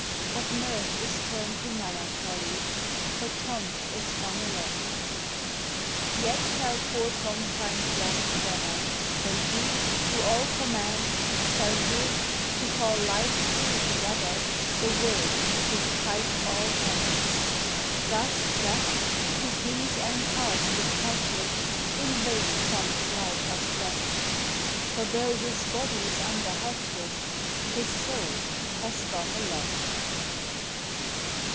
But mirth is turned to melancholy, For Tom is gone aloft. Yet shall poor Tom find pleasant weather, When He who all commands Shall give, to call life's crew together, The word to " pipe all hands." THE SEA. 407 Thus Death, who kings and tars despatches, In vain Tom's life has doffed; For though his body 's under hatches, His soul has gone aloft.